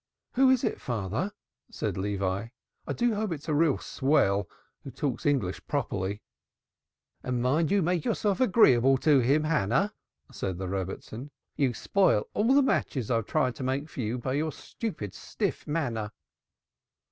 "Who is it, father?" said Levi. "I do hope it's a real swell who talks English properly." "And mind you make yourself agreeable to him, Hannah," said the Rebbitzin. "You spoil all the matches I've tried to make for you by your stupid, stiff manner."